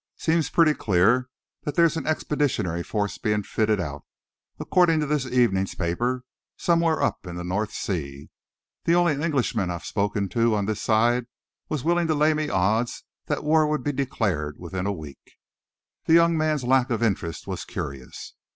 "Seems pretty clear that there's an expeditionary force being fitted out, according to this evening's paper, somewhere up in the North Sea. The only Englishman I've spoken to on this side was willing to lay me odds that war would be declared within a week." The young man's lack of interest was curious.